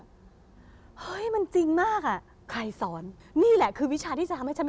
นี่เราจะสอนงานในสงกแบบนี้